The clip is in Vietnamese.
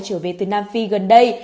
trở về từ nam phi gần đây